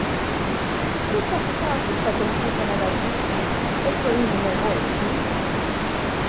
Ποιος αυθάδης θα τολμούσε να τ' αγγίξει, όσο ήμουν εγώ εκεί;